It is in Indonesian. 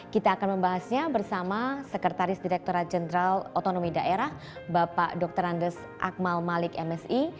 kita akan membahasnya bersama sekretaris direkturat jenderal otonomi daerah bapak dr andes akmal malik msi